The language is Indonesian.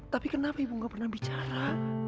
tapi kenapa ibu gak pernah bicara